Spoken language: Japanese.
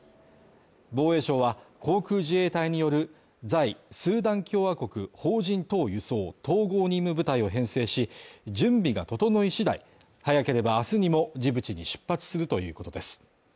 防衛省は、航空自衛隊による在スーダン共和国邦人等輸送統合任務部隊を編成し、準備が整い次第、早ければ明日にも、ジブチに出発するということです。